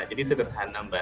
jadi sederhana mbak